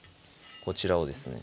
こちらをですね